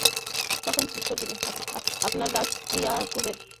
তখন উত্তর দিবে, আপনার দাস ইয়াকুবের।